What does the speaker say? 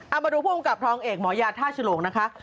เอามาดูผู้การกราบทองเอกหมอยาธาชโลก็นะคะ